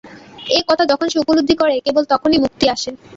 এ-কথা যখন সে উপলব্ধি করে, কেবল তখনই মুক্তি আসে।